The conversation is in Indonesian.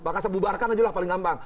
bahkan saya bubarkan aja lah paling gampang